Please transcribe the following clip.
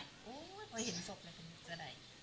โอ้ยเพราะเห็นศพในศาลัย